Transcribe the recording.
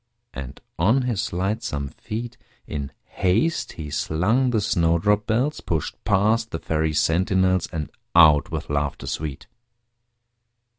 And on his lightsome feet In haste he slung the snowdrop bells, Pushed past the Fairy sentinels, And out with laughter sweet.